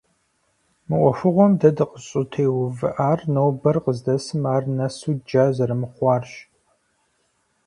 Мы ӏуэхугъуэм дэ дыкъыщӏытеувыӏар нобэр къыздэсым ар нэсу джа зэрымыхъуарщ.